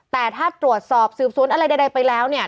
แต่ถ้าตรวจสอบสืบสวนอะไรใดไปแล้วเนี่ย